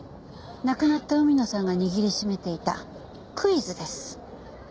亡くなった海野さんが握りしめていたクイズです。